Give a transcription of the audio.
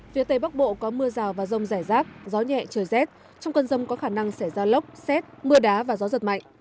phía tây bắc bộ có mưa rào và rông rải rác gió nhẹ trời rét trong cơn rông có khả năng xảy ra lốc xét mưa đá và gió giật mạnh